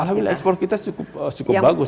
alhamdulillah ekspor kita cukup bagus